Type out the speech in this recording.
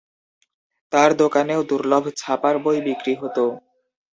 তার দোকানেও দুর্লভ ছাপার বই বিক্রি হতো।